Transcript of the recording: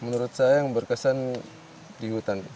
menurut saya yang berkesan di hutan